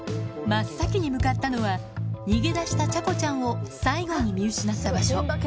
真っ先に向かったのは、逃げ出したちゃこちゃんを最後に見失った場所。